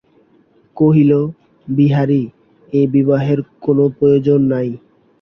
কহিল, বিহারী, এ বিবাহের কোনো প্রয়োজন নাই।